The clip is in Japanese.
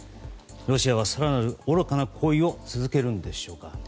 ロシアは更なる愚かな行為を続けるのでしょうか。